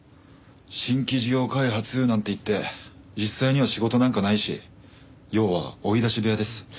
「新規事業開発」なんて言って実際には仕事なんかないし要は追い出し部屋です。